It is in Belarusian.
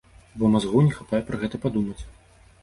Бо мазгоў не хапае пра гэта падумаць!